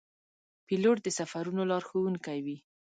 پیلوټ د سفرونو لارښوونکی وي.